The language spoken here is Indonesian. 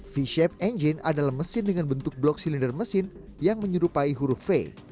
v shape engine adalah mesin dengan bentuk blok silinder mesin yang menyerupai huruf v